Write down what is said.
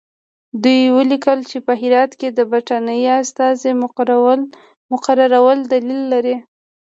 دوی ولیکل چې په هرات کې د برټانیې د استازي مقررول دلیل لري.